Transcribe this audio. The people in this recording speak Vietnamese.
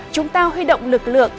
chúng ta huy động lực lượng